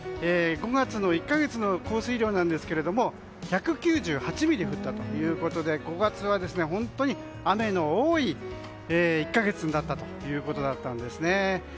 ５月の１か月の降水量ですが１９８ミリ降ったということで５月は本当に雨の多い１か月になったということだったんですね。